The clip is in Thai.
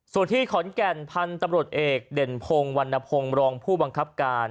ส่วนที่ขอนแก่นพันธุ์ตำรวจเอกเด่นพงศ์วันนพงศ์รองผู้บังคับการ